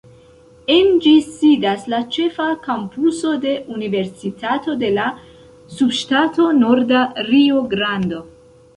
En ĝi sidas la ĉefa kampuso de Universitato de la Subŝtato Norda Rio-Grando.